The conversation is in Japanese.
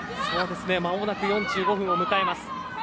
まもなく４５分を迎えます。